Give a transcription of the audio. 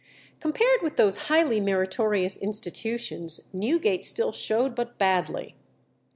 Compared with those highly meritorious institutions Newgate still showed but badly.